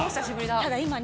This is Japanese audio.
ただ今ね